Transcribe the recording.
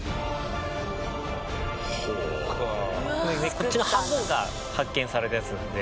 こっちの半分が発見されたやつなんで。